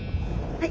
はい。